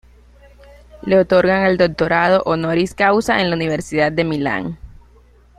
Le otorgan el doctorado honoris causa en la Universidad de Milán.